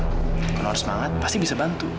kalau harus semangat pasti bisa bantu